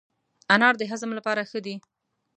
انار د هضم لپاره ښه دی.